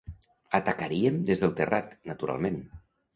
Atacaríem des del terrat, naturalment